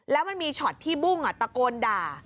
แล้วมันมีช็อตที่บุ้งตะโกนด่า